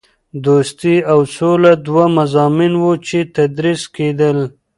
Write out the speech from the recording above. دوستي او سوله دوه مضامین وو چې تدریس کېدل.